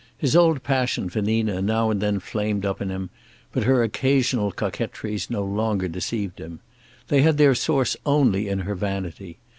His old passion for Nina now and then flamed up in him, but her occasional coquetries no longer deceived him. They had their source only in her vanity.